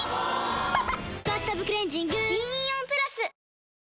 ・おぉ「バスタブクレンジング」銀イオンプラス！